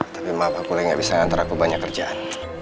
tapi maaf aku lagi gak bisa ngantar aku banyak kerjaan